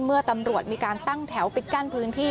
เมื่อตำรวจมีการตั้งแถวปิดกั้นพื้นที่